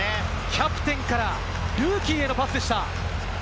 キャプテンからルーキーへのパスでした。